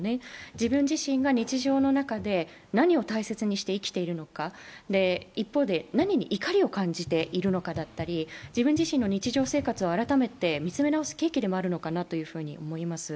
自分自身が日常の中で何を大切にして生きているのか、一方で何に怒りを感じているのかだったり、自分自身の日常生活を改めて見つめなおす契機ではないかと思います。